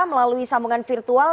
melalui sambungan virtual